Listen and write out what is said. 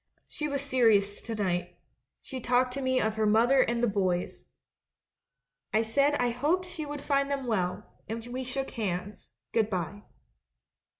She was serious to night ; she talked to me of her mother and the 'boys.' I said I hoped she would find them well; and we shook hands — 'Good bye.'